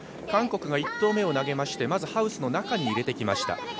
韓国が１投目を投げまして、まずハウスの中に入れてきました。